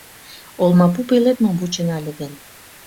Олмапу пеледмым вучена ыле гын